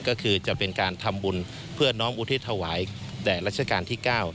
ก็คือจะเป็นการทำบุญเพื่อน้อมอุทิศถวายแด่รัชกาลที่๙